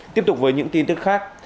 tiếp tục với những tin tức khác